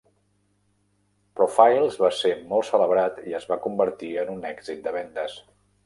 "Profiles" va ser molt celebrat i es va convertir en un èxit de vendes.